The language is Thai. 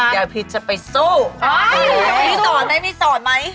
เดี๋ยวพีชจะไปสู้อ้ายยยยยค่ะนี่สอนได้มีสอนไหม